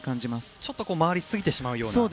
ちょっと回りすぎてしまうような。